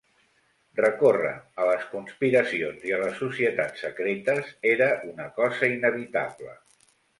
Recórrer a les conspiracions i a les societats secretes era una cosa inevitable.